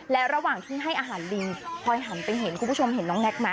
และระหว่างที่ให้อาหารลิงพลอยหันไปเห็นคุณผู้ชมเห็นน้องแน็กไหม